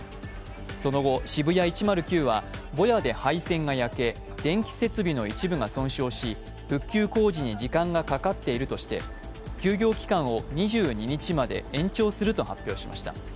その後、ＳＨＩＢＵＹＡ１０９はぼやで配線が焼け電気設備の一部が損傷し、復旧工事に時間がかかっているとして、休業期間を２２日まで延長すると発表しました。